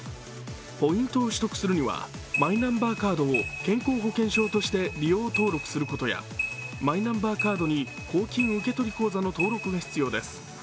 ポイントを取得するにはマイナンバーカードを保険証として利用登録することや、マイナンバーカードに公金受け取り口座の登録が必要です。